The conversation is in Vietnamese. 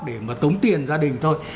để mà tống tiền gia đình thôi